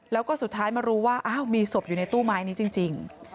แล้วก็สุดท้ายมารู้ว่าอ้าวมีศพอยู่ในตู้ไม้นี้จริง